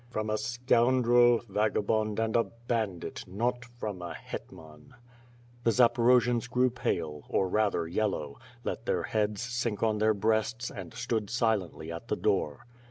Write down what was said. "From a scoundrel, vagabond, and a bandit, not from a hetman.'^ The Zaporojians grew pale, or rather, yellow; let their heads sink on their breasts, and stood silently at the door.